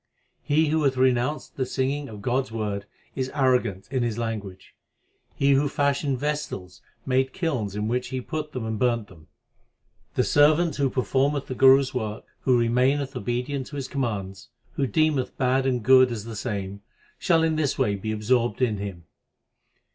G. He who hath renounced the singing of God s word, is arrogant in his language. He who fashioned vessels made kilns in which He put them and burnt them. GH. The servant who performeth the Guru s 3 work, who remaineth obedient to His commands, Who deemeth bad and good as the same, shall in this way be absorbed in Him.